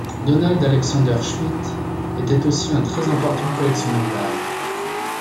Donald Alexander Smith était aussi un très important collectionneur d'art.